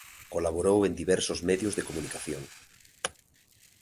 Colaborou en diversos medios de comunicación.